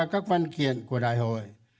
các văn kiện của đại hội